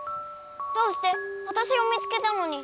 どうして⁉わたしが見つけたのに！